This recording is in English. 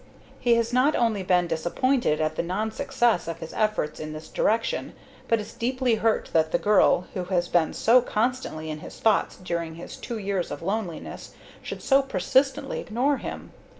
He has not only been disappointed at the non success of his efforts in this direction, but is deeply hurt that the girl, who has been so constantly in his thoughts during his two years of loneliness, should so persistently ignore him.